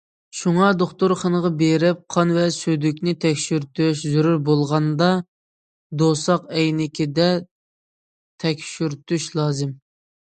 شۇڭا دوختۇرخانىغا بېرىپ قان ۋە سۈيدۈكنى تەكشۈرتۈش، زۆرۈر بولغاندا دوۋساق ئەينىكىدە تەكشۈرتۈش لازىم.